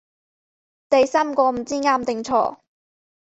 第三個唔知啱定錯